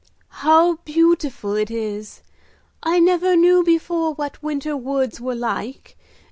"How beautiful it is! I never knew before what winter woods were like.